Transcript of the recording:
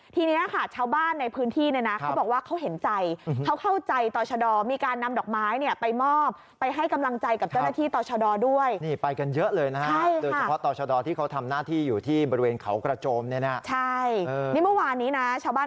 ทีนี้ค่ะชาวบ้านในพื้นที่เนี่ยนะเขาบอกว่าเขาเห็นใจเขาเข้าใจต่อชะดอมีการนำดอกไม้เนี่ยไปมอบไปให้กำลังใจกับเจ้าหน้าที่ต่อชะดอด้วย